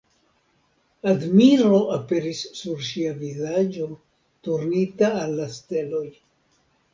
Admiro aperis sur ŝia vizaĝo, turnita al la steloj.